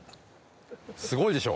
すごいでしょ？